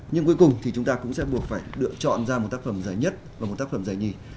nhưng cuối cùng thì chúng ta cũng sẽ buộc phải lựa chọn ra một tác phẩm giải nhất và một tác phẩm giải nhì